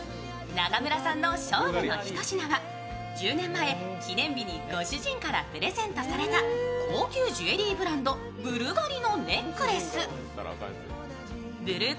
中村さんの勝負のひと品は１０年前、記念日にご主人からプレゼントされた高級ジュエリーブランドブルガリのネックレス。